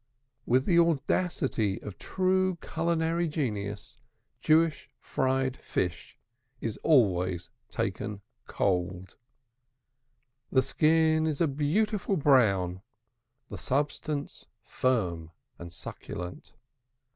With the audacity of true culinary genius, Jewish fried fish is always served cold. The skin is a beautiful brown, the substance firm and succulent.